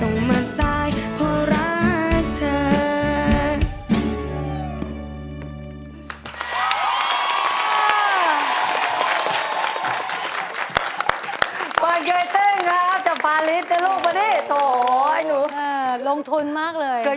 อันนั้นเป็นวันที่เกิด